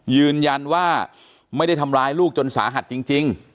ยืนยันว่าไม่ได้ทำร้ายลูกจนสาหัสจริง